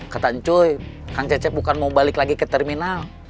ke tancoy kang cecep bukan mau balik lagi ke terminal